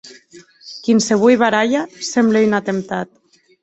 Quinsevolh barralha semble un atemptat.